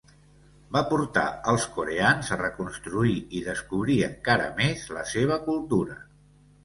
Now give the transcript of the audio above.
Va portar els coreans a reconstruir i descobrir encara més la seva cultura.